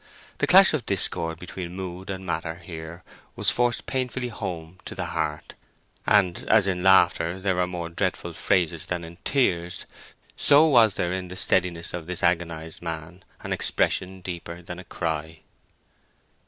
The clash of discord between mood and matter here was forced painfully home to the heart; and, as in laughter there are more dreadful phases than in tears, so was there in the steadiness of this agonized man an expression deeper than a cry.